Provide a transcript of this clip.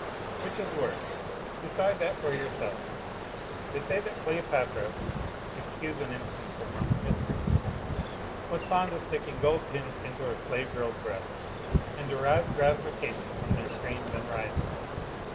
Which is worse ? Decide that for yourselves. They say that Cleopatra (excuse an instance from Roman history) was fond of sticking gold pins into her slave girls' breasts and derived gratification from their screams and writhings.